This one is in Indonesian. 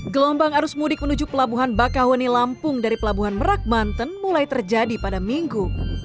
gelombang arus mudik menuju pelabuhan bakahoni lampung dari pelabuhan merak banten mulai terjadi pada minggu